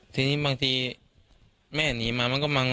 ทีนี้บางทีแม่หนีมามันก็มัง